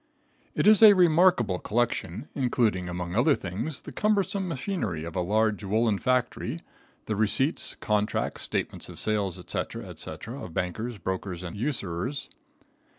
It is a remarkable collection, including, among other things, the cumbersome machinery of a large woolen factory, the receipts, contracts, statements of sales, etc., etc., of bankers, brokers, and usurers.